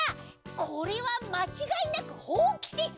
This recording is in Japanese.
これはまちがいなくほうきです！